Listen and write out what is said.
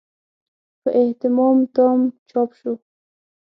په اهتمام تام چاپ شو.